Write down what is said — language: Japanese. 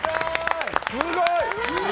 すごい！